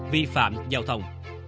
vi phạm giao thông